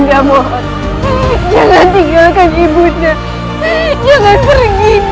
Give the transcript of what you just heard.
raimu bangun raimu bangun